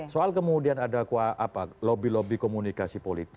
soal kemudian ada lobi lobi komunikasi politik